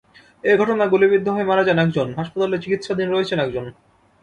এ ঘটনায় গুলিবিদ্ধ হয়ে মারা যান একজন, হাসপাতালে চিকিৎসাধীন রয়েছেন একজন।